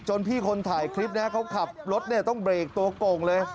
จนพี่คนถ่ายคลิปนะครับเขาขับรถต้องเบรกตัวกล่องเลย